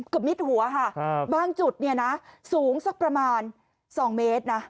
มิดหัวค่ะบางจุดเนี่ยนะสูงสักประมาณ๒เมตรนะ